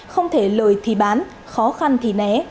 không thể lời thì bán khó khăn thì né